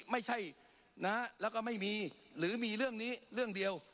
ไม่ใช่นะแล้วก็ไม่มีหรือมีเรื่องนี้เรื่องเดียว